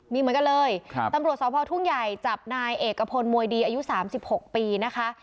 มีเหมือนกันเลยตำรวจสพทุ่งใหญ่จับนายเอกพลมวยดีอายุ๓๖ปีนะคะ